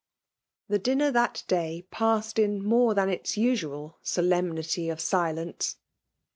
*' The dinner that day passed in more dian its usual solemnity of silence.